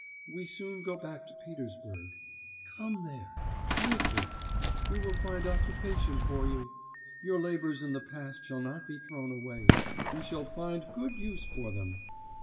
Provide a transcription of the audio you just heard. We soon go back to Petersburg, come there, live there, we will find occupation for you, your labours in the past shall not be thrown away, you shall find good use for them